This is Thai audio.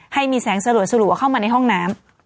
ให้มีแสงสะหรวดสะหรูเข้ามาในห้องน้ำ